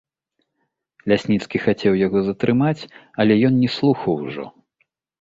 Лясніцкі хацеў яго затрымаць, але ён не слухаў ужо.